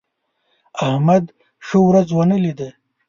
احمد ښه ورځ ونه لیده.